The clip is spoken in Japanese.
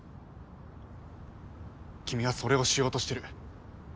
君はそれをしようとしてる。